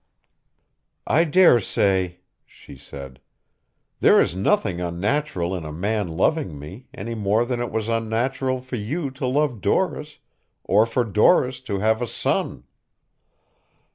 "I daresay," she said. "There is nothing unnatural in a man loving me, any more than it was unnatural for you to love Doris, or for Doris to have a son.